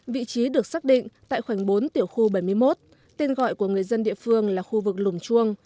vị trí được xác định tại khoảnh bốn tiểu khu bảy mươi một tên gọi của người dân địa phương là khu vực lùng chuông